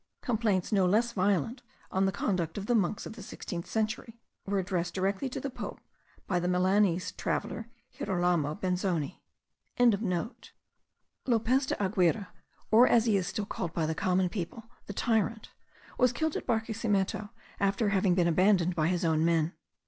Complaints no less violent, on the conduct of the monks of the 16th century, were addressed directly to the pope by the Milanese traveller, Girolamo Benzoni.) Lopez de Aguirre, or as he is still called by the common people, the Tyrant, was killed at Barquesimeto, after having been abandoned by his own men.